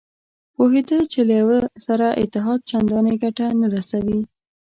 پوهېده چې له یوه سره اتحاد چندانې ګټه نه رسوي.